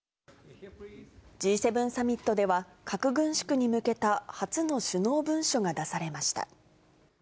Ｇ７サミットでは、核軍縮に向けた初の首脳文書が出されました。